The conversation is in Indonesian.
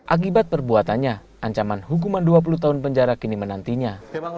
akibat perbuatannya ancaman hukuman dua puluh tahun penjara kini menantinya